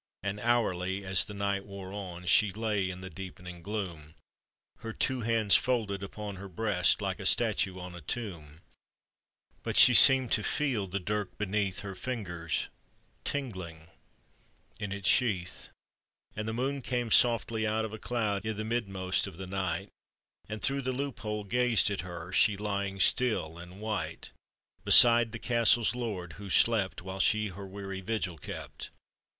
And hourly, as the night wore on, She lay in the deepening gloom, Her two hands folded upon her breast Like a statue on a tomb; Rut she seemed to feel the dirk beneath Her fingers tingling in its sheath. And the moon came softly out of a cloud I' the midmost of the night, And through the loop hole gazed at her, She lying still and white Beside the castle's lord, who slept While she her weary vigil kept.